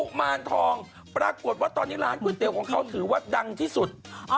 มารทองปรากฏว่าตอนนี้ร้านก๋วยเตี๋ยวของเขาถือว่าดังที่สุด